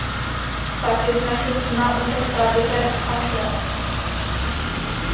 Pak je tu naše přímá účast v táboře Ašraf.